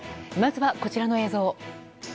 まずは、こちらの映像。